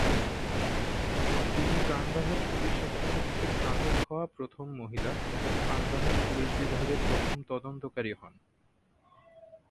তিনি Kandahar police academy থেকে স্নাতক হওয়া প্রথম মহিলা এবং কান্দাহার পুলিশ বিভাগে প্রথম তদন্তকারী হন।